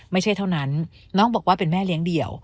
ไม่ใช่เท่านั้นน้องบอกว่าเป็นแม่เลี้ยงเดี่ยว